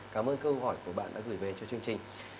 cảm ơn câu hỏi của bạn đã gửi về cho chương trình